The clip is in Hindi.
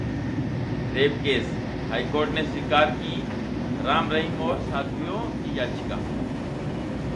रेप केस: हाई कोर्ट ने स्वीकार की राम रहीम और साध्वियों की याचिका